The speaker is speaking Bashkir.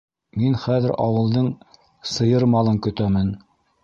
Мин хәҙер ауылдың сыйыр малын көтәмен.